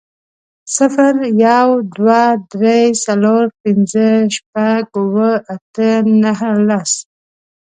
صفر، يو، دوه، درې، څلور، پنځه، شپږ، اووه، اته، نهه، لس